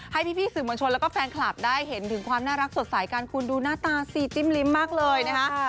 ให้พี่สื่อมวลชนแล้วก็แฟนคลับได้เห็นถึงความน่ารักสดใสกันคุณดูหน้าตาซีจิ้มลิ้มมากเลยนะคะ